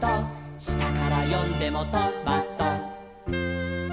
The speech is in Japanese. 「したからよんでもト・マ・ト」